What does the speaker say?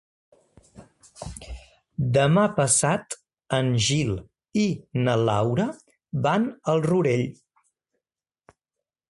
Demà passat en Gil i na Laura van al Rourell.